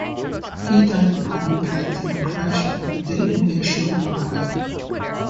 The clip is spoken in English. He died upon impact in a crash at the Dayton Air Show in Ohio.